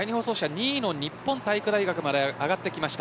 ２位の日本体育大学まで上がってきました。